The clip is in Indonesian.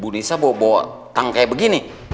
buneesah bawa bawa tang kayak begini